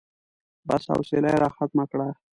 بس، حوصله يې راختمه کړه.